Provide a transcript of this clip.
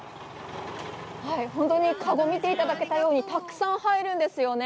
本当に籠を見ていただけたように、たくさん入るんですよね。